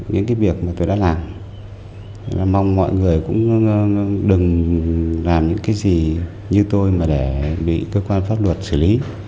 những cái việc mà tôi đã làm mong mọi người cũng đừng làm những cái gì như tôi mà để bị cơ quan pháp luật xử lý